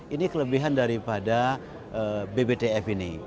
ini kelebihan daripada bbtf ini